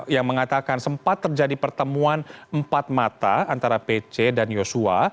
yang mengatakan sempat terjadi pertemuan empat mata antara pc dan yosua